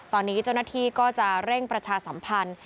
ตอนนี้เจ้าหน้าที่ก็จะเร่งประชาสัมพันธ์